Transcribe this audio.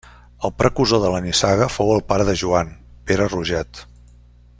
El precursor de la nissaga fou el pare de Joan, Pere Roget.